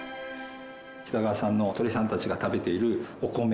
北川さんの鶏さんたちが食べているお米